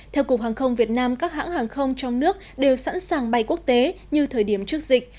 theo cục hàng không việt nam các hãng hàng không trong nước đều sẵn sàng bay quốc tế như thời điểm trước dịch